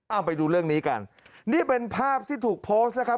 เอาไปดูเรื่องนี้กันนี่เป็นภาพที่ถูกโพสต์นะครับ